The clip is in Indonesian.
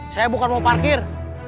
saya bukan mau parkir